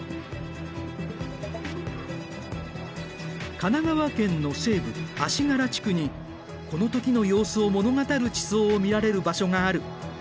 神奈川県の西部足柄地区にこの時の様子を物語る地層を見られる場所がある。